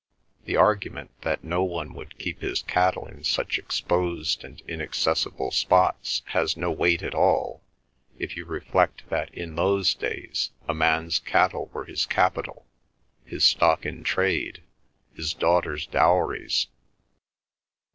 The argument that no one would keep his cattle in such exposed and inaccessible spots has no weight at all, if you reflect that in those days a man's cattle were his capital, his stock in trade, his daughter's dowries.